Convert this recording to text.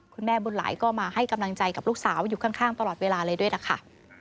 คุณแม่บุญหลายก็มาให้กำลังใจกับลูกสาวอยู่ข้างตลอดเวลาเลยด้วยนะคะ